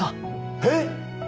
えっ！